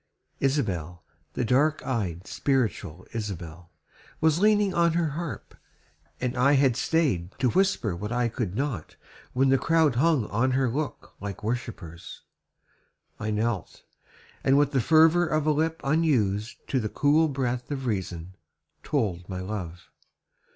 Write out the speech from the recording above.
Isabel, The dark eyed, spiritual Isabel Was leaning on her harp, and I had staid To whisper what I could not when the crowd Hung on her look like worshippers. I knelt, And with the fervor of a lip unused To the cool breath of reason, told my love.